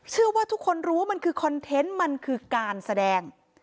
เชื่อว่าทุกคนรู้ว่ามันคือคอนเทนต์มันคือการแสดง